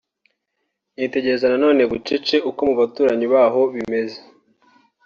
nitegereza na none bucece uko no mu baturanyi baho bimeze